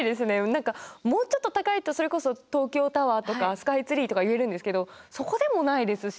何かもうちょっと高いとそれこそ東京タワーとかスカイツリーとか言えるんですけどそこでもないですし。